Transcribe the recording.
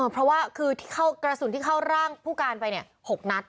เพราะว่ากระสุนที่เข้าร่างผู้การไปเนี่ย๖นัท